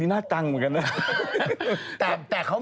นักแล้ว